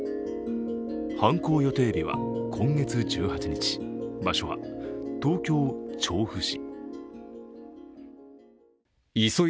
犯行予定日は今月１８日、場所は東京・調布市。